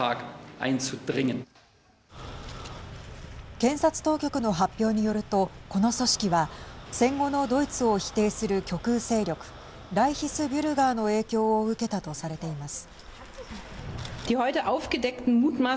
検察当局の発表によると、この組織は戦後のドイツを否定する極右勢力ライヒスビュルガーの影響を受けたとされています。